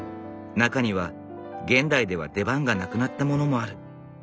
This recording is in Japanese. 中には現代では出番がなくなったものもある。